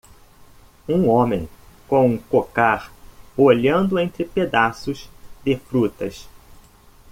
Um homem com um cocar olhando entre pedaços de frutas.